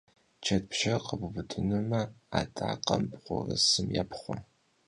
Ced pşşer khebubıdınume, adakhem bğurısım yêpxhue.